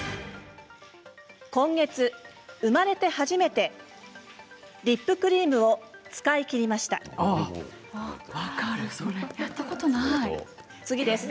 今月、生まれて初めてリップクリームを使い切りました次です。